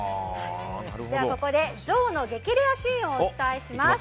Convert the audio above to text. ここでゾウの激レアシーンをお伝えします。